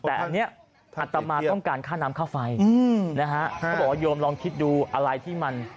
แต่อันนี้อัตมาต้องการค่าน้ำค่าไฟอืมนะฮะเขาบอกว่าโยมลองคิดดูอะไรที่มัน